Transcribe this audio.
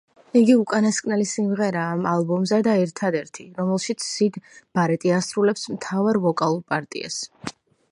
იგი უკანასკნელი სიმღერაა ამ ალბომზე და ერთადერთი, რომელშიც სიდ ბარეტი ასრულებს მთავარ ვოკალურ პარტიას.